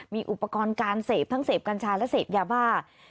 มีอุปกรณ์การเสพทั้งเสพกัญชาและเสพยาบ้า